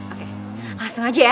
oke langsung aja ya